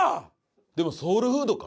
でもソウルフードか？